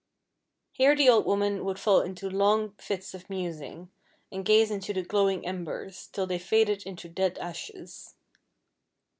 Here the old woman would fall into long fits of musing, and gaze into the glowing embers, till they faded into dead ashes.